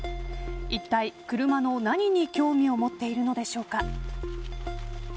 いったい車の何に興味を持っているのでしょうか。